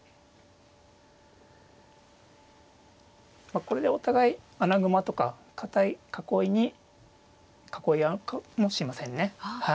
まあこれでお互い穴熊とか堅い囲いに囲い合うかもしれませんね。